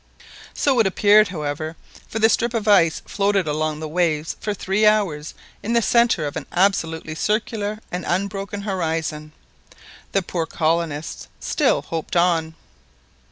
So it appeared, however; for the strip of ice floated along on the waves for three hours in the centre of an absolutely circular and unbroken horizon. The poor colonists still hoped on.